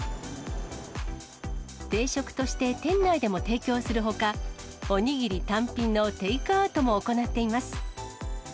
定食として店内でも提供するほか、おにぎり単品のテイクアウトも行っています。